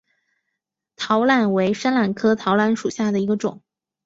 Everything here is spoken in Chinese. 桃榄为山榄科桃榄属下的一个种。